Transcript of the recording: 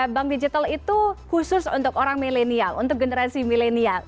bank digital itu khusus untuk orang milenial untuk generasi milenial